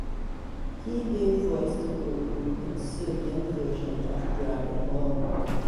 He gave voice to Goku in Serbian version of "Dragon Ball".